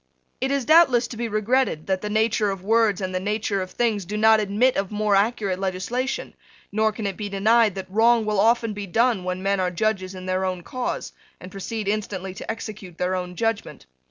It is doubtless to be regretted that the nature of words and the nature of things do not admit of more accurate legislation: nor can it be denied that wrong will often be done when men are judges in their own cause, and proceed instantly to execute their own judgment.